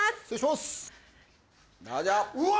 うわ！